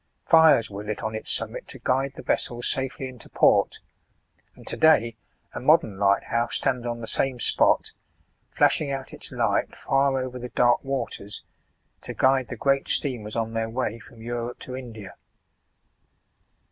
1 Fires were lit on its summit to guide the vessels safely into port ; and to day a modern lighthouse Stands on the same spot, flashing out its light far over the dark 1 fc>ee chapter 2. 150 SEASONS FOR SAILING. waters, to guide the great steamers on their way from Europe to India.